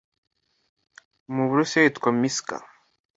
mu Burusiya yitwa Mischa